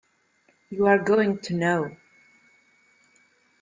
You are going to know.